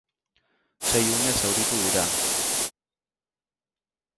Sei ume zauritu dira.